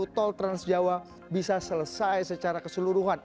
tol transjawa bisa selesai secara keseluruhan